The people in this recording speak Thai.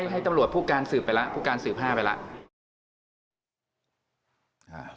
ให้ตำรวจผู้การสืบไปแล้วผู้การสืบ๕ไปแล้ว